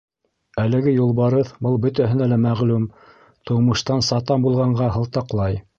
— Әлеге юлбарыҫ — был бөтәһенә лә мәғлүм — тыумыштан сатан булғанға һылтаҡлай.